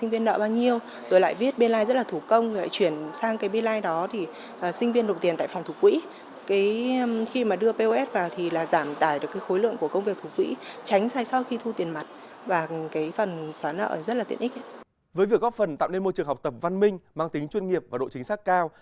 với việc góp phần tạo nên môi trường học tập văn minh mang tính chuyên nghiệp và độ chính xác cao